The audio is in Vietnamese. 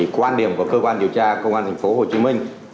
quan điểm của cơ quan điều tra công an tp hcm